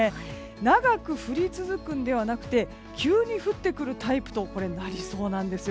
長く降り続くんではなくて急に降ってくるタイプとなりそうなんですよ。